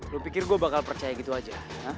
lu pikir gua bakal percaya gitu aja